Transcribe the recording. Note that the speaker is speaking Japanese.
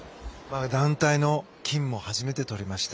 団体の金も初めてとりました。